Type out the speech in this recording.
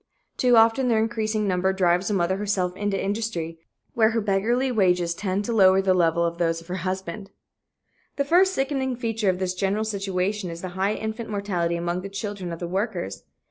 Too often their increasing number drives the mother herself into industry, where her beggarly wages tend to lower the level of those of her husband. The first sickening feature of this general situation is the high infant mortality among the children of the workers.